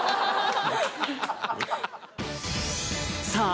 さあ